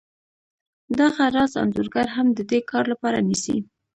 دغه راز انځورګر هم د دې کار لپاره نیسي